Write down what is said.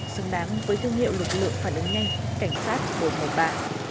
xứng đáng với thương hiệu lực lượng phản ứng nhanh cảnh sát mùa ba